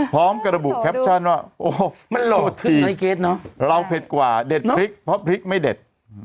พร้อมกับระบุแคปชั่นว่าโอ้โหมันโหลดทีเกรดเราเผ็ดกว่าเด็ดพริกเพราะพริกไม่เด็ด